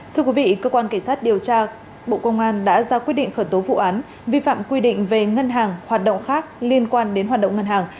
thưa quý vị cơ quan cảnh sát điều tra bộ công an đã ra quyết định khởi tố vụ án vi phạm quy định về ngân hàng hoạt động khác liên quan đến hoạt động ngân hàng